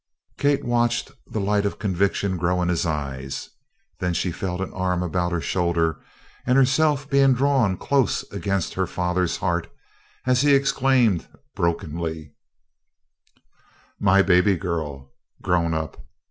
Kate watched the light of conviction grow in his eyes. Then she felt an arm about her shoulder and herself being drawn close against her father's heart as he exclaimed brokenly: "My baby girl, grown up!